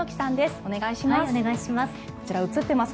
お願いします。